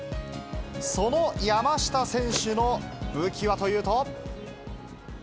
その山下選手の武器はというと。